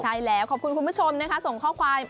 ใช่แล้วขอบคุณคุณผู้ชมนะคะส่งข้อความ